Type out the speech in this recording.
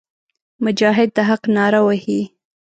مجاهد د حق ناره وهي.